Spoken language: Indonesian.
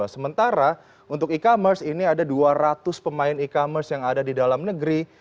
sementara untuk e commerce ini ada dua ratus pemain e commerce yang ada di dalam negeri